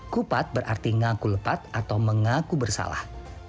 kupat berarti ngaku lepat atau mengaku bersalah